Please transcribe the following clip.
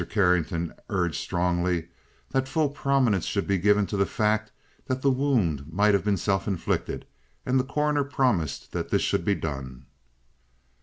Carrington urged strongly that full prominence should be given to the fact that the wound might have been self inflicted, and the Coroner promised that this should be done.